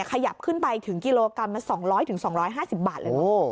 ขยับขึ้นไปถึงกิโลกรัมละ๒๐๐๒๕๐บาทเลยนะ